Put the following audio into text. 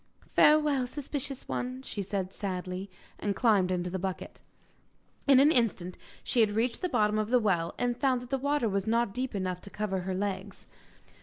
'Farewell, suspicious one!' she said sadly. And climbed into the bucket. In an instant she had reached the bottom of the well, and found that the water was not deep enough to cover her legs.